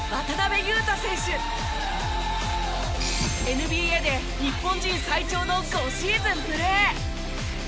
ＮＢＡで日本人最長の５シーズンプレー。